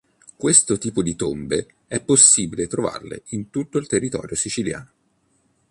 Questo tipo di tombe è possibile trovarle in tutto il territorio siciliano.